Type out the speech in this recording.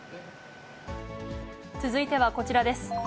続いてはこちらです。